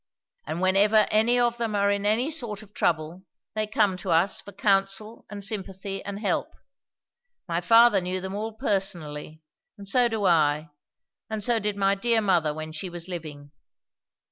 And whenever any of them are in any sort of trouble, they come to us for counsel and sympathy and help; my father knew them all personally, and so do I, and so did my dear mother when she was living.